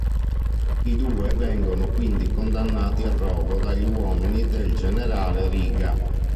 I due vengono quindi condannati al rogo dagli uomini del generale Riga.